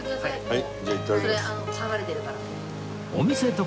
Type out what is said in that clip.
はい。